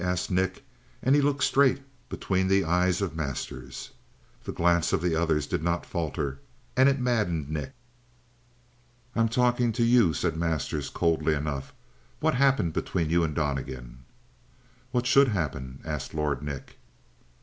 asked Nick, and he looked straight between the eyes of Masters. The glance of the other did not falter, and it maddened Nick. "I'm talking to you," said Masters coolly enough. "What happened between you and Donnegan?" "What should happen?" asked Lord Nick.